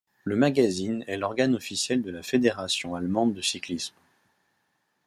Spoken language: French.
Le magazine est l'organe officiel de la Fédération allemande de cyclisme.